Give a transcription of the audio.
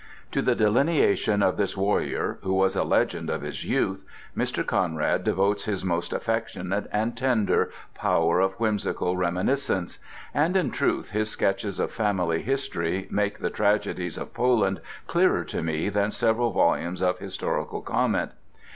To the delineation of this warrior, who was a legend of his youth, Mr. Conrad devotes his most affectionate and tender power of whimsical reminiscence; and in truth his sketches of family history make the tragedies of Poland clearer to me than several volumes of historical comment.